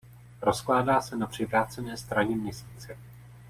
Rozkládá se na přivrácené straně Měsíce.